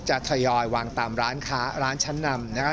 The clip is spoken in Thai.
จะถยอยตามร้านข้าร้านชั้นนำ